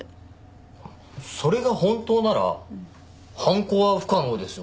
それが本当なら犯行は不可能ですよね。